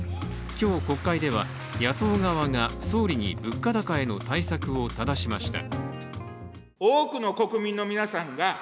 今日、国会では野党側が総理に物価高への対策をただしました。